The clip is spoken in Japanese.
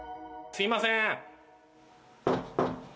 すいません。